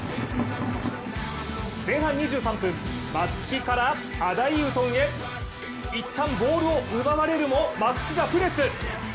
前半２３分、松木からアダイウトンへいったんボールを奪われるも松木がプレス！